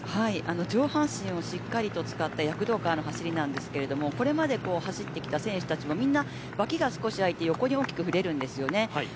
上半身をしっかりと使った躍動感ある走りなんですがこれまで走ってきた選手もみんな脇が開いて横に大きくぶれるんですね。